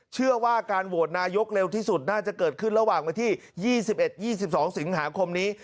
เชื่อว่าการโหวตนายกเร็วที่สุดน่าจะเกิดขึ้นระหว่างวันที่๒๑๒๒สิงหาคมนี้